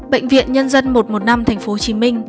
bệnh viện nhân dân một trăm một mươi năm tp hcm